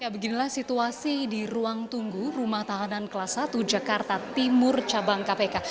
beginilah situasi di ruang tunggu rumah tahanan kelas satu jakarta timur cabang kpk